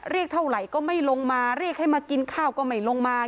เรียกเท่าไหร่ก็ไม่ลงมาเรียกให้มากินข้าวก็ไม่ลงมา